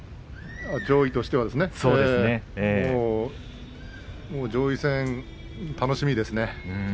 上位としてはね楽しみですね。